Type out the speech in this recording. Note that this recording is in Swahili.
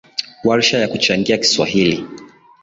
Warsha ya kuchangia kiswahili